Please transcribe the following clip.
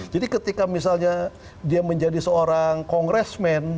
jadi ketika misalnya dia menjadi seorang kongresmen